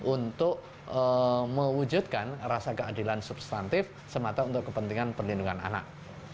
untuk mewujudkan rasa keadilan substantif semata untuk kepentingan perlindungan anak